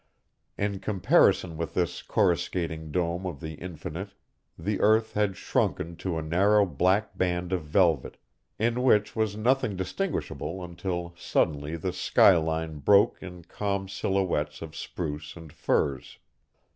In comparison with this coruscating dome of the infinite the earth had shrunken to a narrow black band of velvet, in which was nothing distinguishable until suddenly the sky line broke in calm silhouettes of spruce and firs.